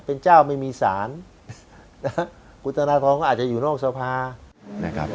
เป็นเจ้าไม่มีสารคุณธนทรก็อาจจะอยู่นอกสภา